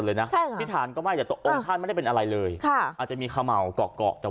หมดเลยนะพิทานก็ไปแต่ตรงท่านไม่ได้เป็นอะไรเลยอาจจะมีคาเมาเกาะ